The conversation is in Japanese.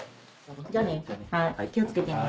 じゃあね気を付けてね。